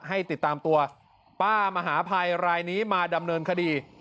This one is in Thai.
ให้ติดตามตัวป้ามหาภัยรายนี้มาดำเนินคดี